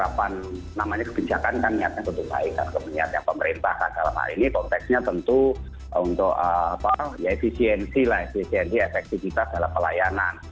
karena menerapkan namanya kebijakan kan niatnya tentu baik dan kebijakan pemerintah kan dalam hal ini konteksnya tentu untuk efisiensi lah efisiensi efektivitas dalam pelayanan